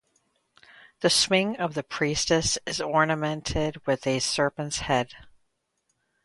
The swing of the priestess is ornamented with a serpent's head.